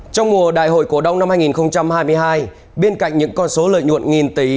trong mùa đại hội cổ đông năm hai nghìn hai mươi hai bên cạnh những con số lợi nhuận nghìn tỷ